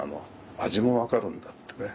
味も分かるんだってね。